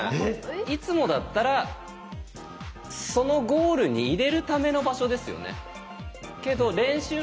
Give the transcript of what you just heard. いつもだったらそのゴールに入れるための場所ですよね。